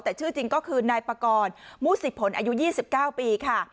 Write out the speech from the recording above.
แต่ชื่อจริงก็คือนายปากรมูสิผลอายุ๒๙ปีค่ะ